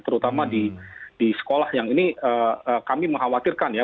terutama di sekolah yang ini kami mengkhawatirkan ya